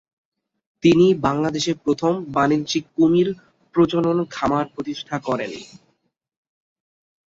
তিনি বাংলাদেশে প্রথম বাণিজ্যিক কুমির প্রজনন খামার প্রতিষ্ঠা করেন।